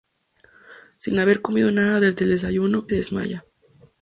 Sin haber comido nada desde el desayuno, Charity se desmaya.